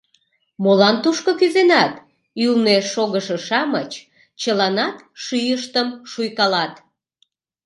— Молан тушко кӱзенат? — ӱлнӧ шогышо-шамыч чыланат шӱйыштым шуйкалат.